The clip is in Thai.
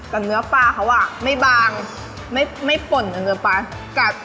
แต่เนื้อปลาเค้าอะไม่บางไม่ป่นกับเนื้อปลากัด